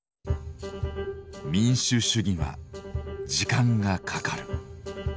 民主主義は時間がかかる。